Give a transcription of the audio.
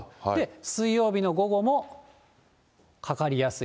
水曜日の午後もかかりやすい。